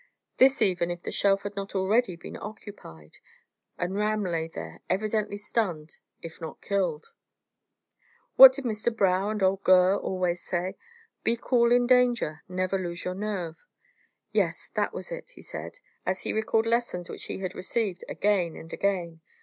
This even if the shelf had not already been occupied; and Ram lay there, evidently stunned, if not killed. What did Mr Brough and old Gurr always say? "Be cool in danger never lose your nerve!" "Yes, that was it!" he said, as he recalled lessons that he had received again and again.